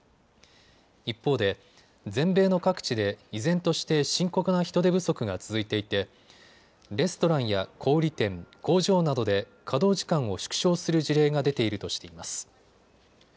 一方で全米の各地で依然として深刻な人手不足が続いていてレストランや小売店、工場などで稼働時間を縮小する事例が出ているとしています。